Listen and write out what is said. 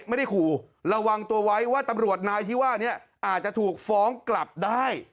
ไม่ได้ขู่ระวังตัวไว้ว่าตำรวจนายที่ว่านี้อาจจะถูกฟ้องกลับได้